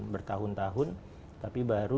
bertahun tahun tapi baru